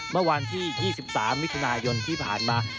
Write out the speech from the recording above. เมื่อวันที่๒๓มิถุนายนที่ผ่านมา